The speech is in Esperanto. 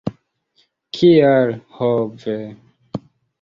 Kial, ho ve!